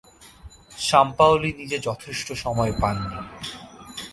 Sampaoli নিজে যথেষ্ট সময় পাননি।